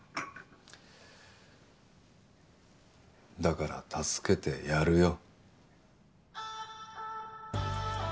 だから助けてやるよ